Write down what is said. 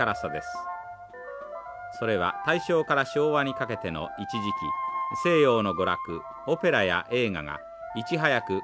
それは大正から昭和にかけての一時期西洋の娯楽オペラや映画がいち早くこの土地に根を下ろしたからです。